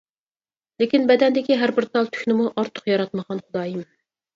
لېكىن بەدەندىكى ھەر بىر تال تۈكنىمۇ ئارتۇق ياراتمىغان خۇدايىم.